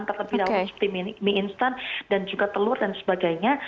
terlebih dahulu seperti mie instan dan juga telur dan sebagainya